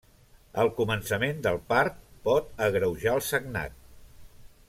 El començament del part pot agreujar el sagnat.